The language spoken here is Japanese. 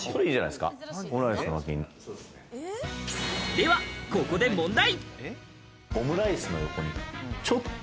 ではここで問題。